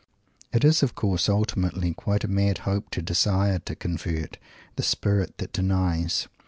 It is, of course, ultimately, quite a mad hope to desire to convert "the Spirit that Denies."